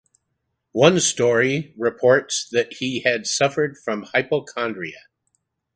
One news story reports that he had suffered from hypochondria.